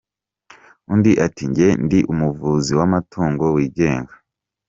Undi ati “Njye ndi umuvuzi w’amatungo wigenga.